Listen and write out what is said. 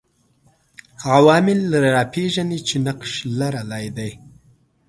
عوامل راپېژني چې نقش لرلای دی